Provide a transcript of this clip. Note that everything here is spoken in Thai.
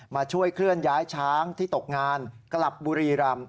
มาช่วยเคลื่อนย้ายช้างที่ตกงานกลับบุรีรำ